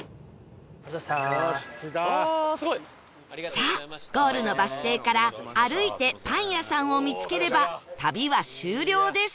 さあゴールのバス停から歩いてパン屋さんを見つければ旅は終了です